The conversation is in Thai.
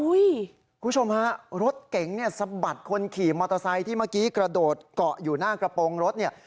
คุณผู้ชมฮะรถเก๋งเนี่ยสะบัดคนขี่มอเตอร์ไซค์ที่เมื่อกี้กระโดดเกาะอยู่หน้ากระโปรงรถเนี่ย